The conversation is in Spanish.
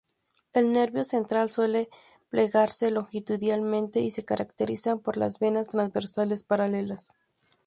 El nervio central suele plegarse longitudinalmente, y se caracterizan por las venas transversales paralelas.